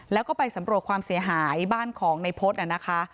แล้วก็ไปสำรวจความเสียหายบ้านของในพฤษนะคะ